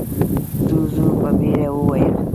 جُوجُو په بيړه وويل: